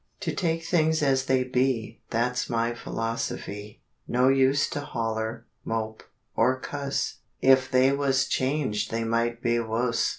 To take things as they be Thet's my philosophy. No use to holler, mope, or cuss If they was changed they might be wuss.